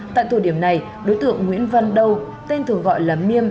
tại tụ điểm này đối tượng nguyễn văn đâu tên thường gọi là miêm